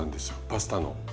パスタの。